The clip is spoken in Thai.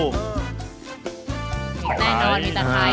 มีตาไทย